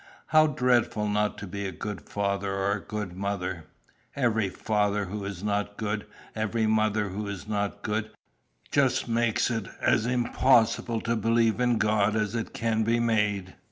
How dreadful not to be a good father or good mother! Every father who is not good, every mother who is not good, just makes it as impossible to believe in God as it can be made.